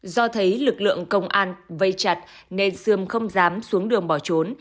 do thấy lực lượng công an vây chặt nên sươm không dám xuống đường bỏ trốn